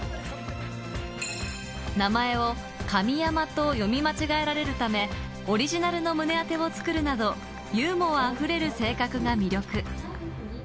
名前を「かみやま」と読み間違えられるため、オリジナルの胸当てを作るなど、ユーモアあふれる性格が魅力。